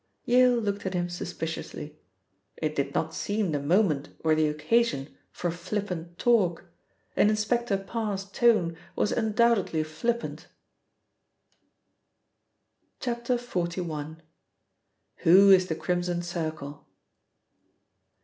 Yale looked at him suspiciously. It did not seem the moment or the occasion for flippant talk, and Inspector Parr's tone was undoubtedly flippant. XLI. — WHO IS THE CRIMSON CIRCLE?